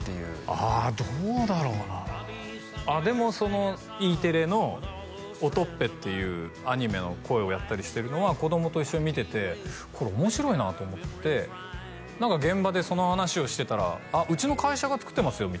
あどうだろうなあっでもそのＥテレの「オトッペ」っていうアニメの声をやったりしてるのは子供と一緒に見ててこれ面白いなと思ってて何か現場でその話をしてたら「あっうちの会社が作ってますよ」